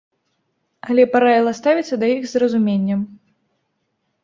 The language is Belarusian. Але параіла ставіцца да іх з разуменнем.